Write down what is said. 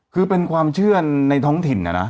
คือเป็นความเชื่อในท้องถิ่นนะนะ